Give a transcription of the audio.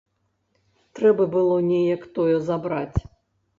Трэба было неяк тое забраць.